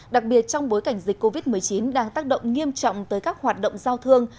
đặc biệt trong bối cảnh dịch covid một mươi chín đang tác động nghiêm trọng tới các hoạt động giao thương